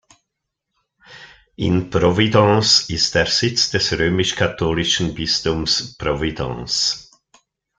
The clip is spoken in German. In Providence ist der Sitz des römisch-katholischen Bistums Providence.